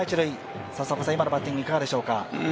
今のバッティング、いかがでしょうか？